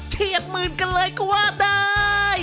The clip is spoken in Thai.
เชี่ยกหมื่นกันละกว้าได้